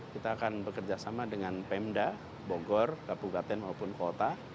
kita akan bekerja sama dengan pemda bogor kapu gaten maupun kota